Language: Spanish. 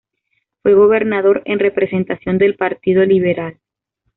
Fue gobernador en representación del Partido Liberal.